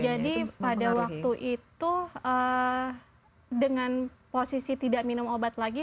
jadi pada waktu itu dengan posisi tidak minum obat lagi